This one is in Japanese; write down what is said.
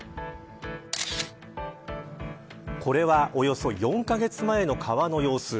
これはおよそ４カ月前の川の様子。